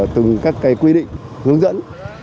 từng các quy định hướng dẫn